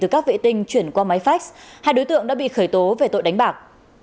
các vệ tinh chuyển qua máy phách hai đối tượng đã bị khởi tố về tội đánh bạc